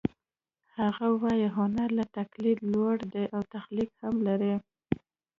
هغه وايي هنر له تقلید لوړ دی او تخلیق هم لري